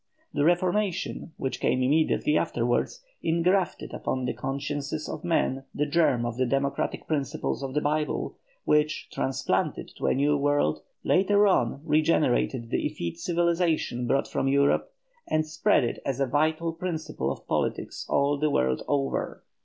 The Reformation, which came immediately afterwards, engrafted upon the consciences of men the germ of the democratic principles of the Bible, which, transplanted to a new world, later on regenerated the effete civilization brought from Europe, and spread it as a vital principle of politics all the world over.